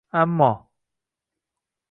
Ammo: